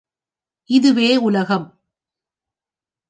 இதுவே உலகம்!...